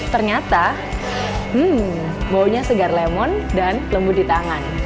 ternyata hmm baunya segar lemon dan lembut di tangan